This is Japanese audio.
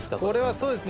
そうですね。